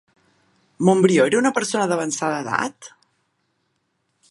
Montbrió era una persona d'avançada edat?